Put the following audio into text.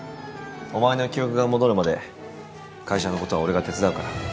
お前の記憶が戻るまで会社のことは俺が手伝うから。